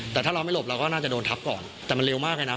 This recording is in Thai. แต่ถ้าเราไม่หลบเราก็น่าจะโดนทับก่อนแต่มันเร็วมากเลยนะ